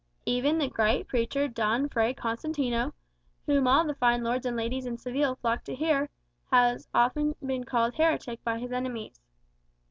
Even the great preacher Don Fray Constantino, whom all the fine lords and ladies in Seville flock to hear, has often been called heretic by his enemies."